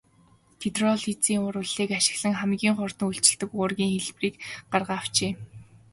Гидролизын урвалыг ашиглан хамгийн хурдан үйлчилдэг уургийн хэлбэрийг гарган авчээ.